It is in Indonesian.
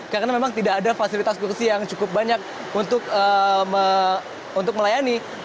karena memang tidak ada fasilitas kursi yang cukup banyak untuk melayani